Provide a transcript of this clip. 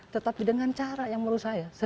tetapi dengan cara yang menurut saya